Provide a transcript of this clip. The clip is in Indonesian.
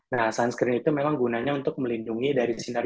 nah sunscreen itu memang gunanya untuk melindungi